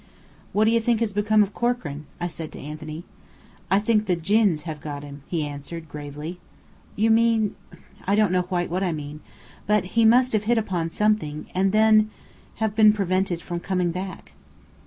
"What do you think has become of Corkran?" I said to Anthony. "I think the djinns have got him," he answered, gravely. "You mean " "I don't quite know what I mean. But he must have hit upon something, and then have been prevented from coming back."